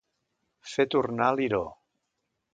Fer tornar liró.